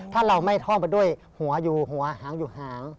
ถ้าเราไม่ท่องไปด้วยหัวอยู่หัวหางอยู่หาง